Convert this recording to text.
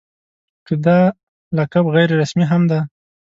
که دا لقب غیر رسمي هم دی.